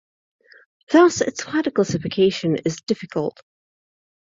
Thus, its wider classification is difficult.